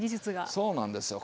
そうなんですよ。